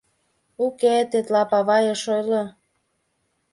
— Уке, тетла павай ыш ойло...